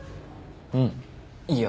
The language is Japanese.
うんいいよ。